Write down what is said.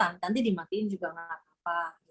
nanti dimatiin juga nggak apa apa